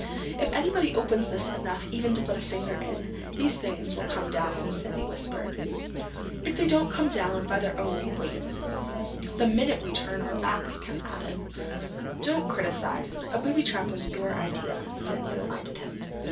"If anybody opens this enough even to put a finger in, these things will come down," Sandy whispered. "If they don't come down by their own weight the minute we turn our backs," Ken added. "Don't criticize. A booby trap was your idea," Sandy reminded him.